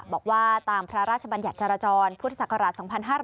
บอกว่าตามพระราชบัญญัติจรจรพุทธศักราช๒๕๕๙